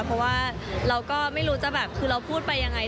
เพราะว่าเราก็ไม่รู้จะแบบคือเราพูดไปยังไง